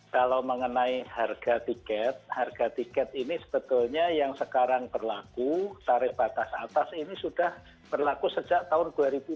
kalau mengenai harga tiket harga tiket ini sebetulnya yang sekarang berlaku tarif batas atas ini sudah berlaku sejak tahun dua ribu dua puluh